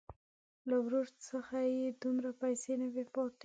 له ورور څخه یې دومره پیسې نه وې پاتې.